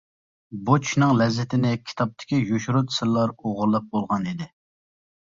بۇ چۈشنىڭ لەززىتىنى كىتابتىكى يوشۇرۇن سىرلار ئوغرىلاپ بولغانىدى.